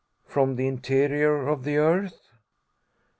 From the interior of the earth?